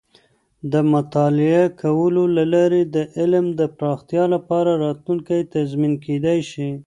د مطالعه کولو له لارې د علم د پراختیا لپاره راتلونکې تضمین کیدی شي.